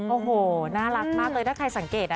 โอ้โหน่ารักมากเลยถ้าใครสังเกตนะ